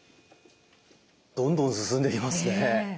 どんどん進んでいきますね。